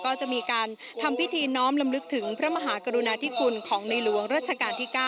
ก็จะมีการทำพิธีน้อมลำลึกถึงพระมหากรุณาธิคุณของในหลวงรัชกาลที่๙